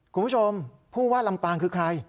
คุณผู้ชมผู้ว่าลำปางคือใคร